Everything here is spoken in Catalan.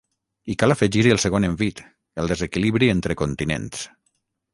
I cal afegir-hi el segon envit, el desequilibri entre continents.